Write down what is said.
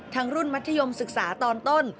รุ่นมัธยมศึกษาตอนต้น